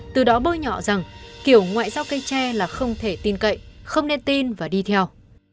từ đó bôi nhọ rằng kiểu ngoại giao cây tre là không thể tin cậy không nên tin và đi theo